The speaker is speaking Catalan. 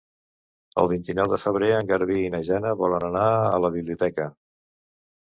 El vint-i-nou de febrer en Garbí i na Jana volen anar a la biblioteca.